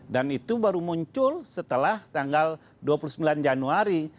dan itu baru muncul setelah tanggal dua puluh sembilan januari